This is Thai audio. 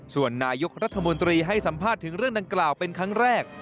ส่วนนายกรัฐมนตรีให้สัมภาษณ์ถึงเรื่องดังกล่าวเป็นครั้งแรก